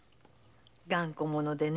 頑固者でね。